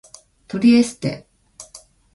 トリエステ